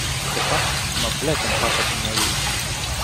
De fapt, mă plec în fața dumneaei.